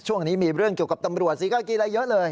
ช่วงนี้มีเรื่องเกี่ยวกับตำรวจศรีกากีอะไรเยอะเลย